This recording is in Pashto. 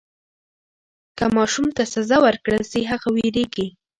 که ماشوم ته سزا ورکړل سي هغه وېرېږي.